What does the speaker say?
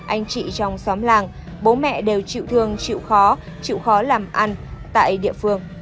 anh chị trong xóm làng bố mẹ đều chịu thương chịu khó chịu khó làm ăn tại địa phương